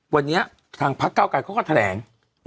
วันนี้ทางพักเก้าไกรเขาก็แถลง